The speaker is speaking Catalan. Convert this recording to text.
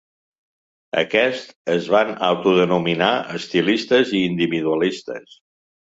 Aquests es van autodenominar Estilistes i Individualistes.